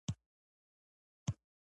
دین او اخلاق نورې هم همداسې دي.